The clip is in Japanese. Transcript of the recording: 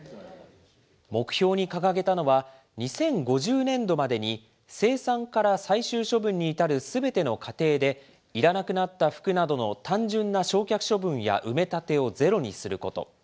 目標に掲げたのは、２０５０年度までに、生産から最終処分に至るすべての過程で、いらなくなった服などの単純な焼却処分や埋め立てをゼロにすること。